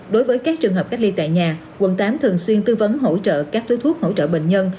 đối với các trường hợp cách ly tại nhà quận tám thường xuyên tư vấn hỗ trợ các túi thuốc hỗ trợ bệnh nhân